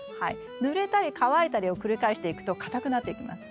ぬれたり乾いたりを繰り返していくと硬くなっていきます。